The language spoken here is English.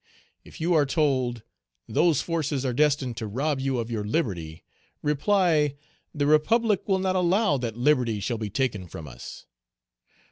If you are told, 'Those forces are destined to rob you of your liberty,' reply, 'The Republic will not allow that liberty shall be taken from us.'